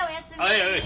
はいはい。